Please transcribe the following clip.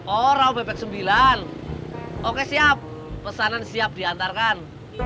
oh rauw bebek sembilan oke siap pesanan siap diantarkan